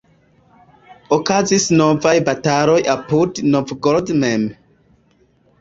Okazis novaj bataloj apud Novgorod mem.